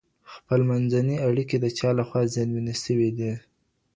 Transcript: خپلمنځي اړیکې د چا له خوا زیانمنې سوي دي؟